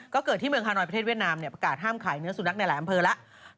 ก็เกิดที่เมืองฮานอยประเทศเวียดนามประกาศห้ามขายเนื้อสุนัขในหลายอำเภอแล้ว